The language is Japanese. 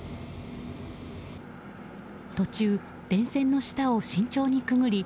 途中、電線の下を慎重にくぐり